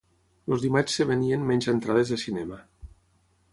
Els dimarts es venien menys entrades de cinema.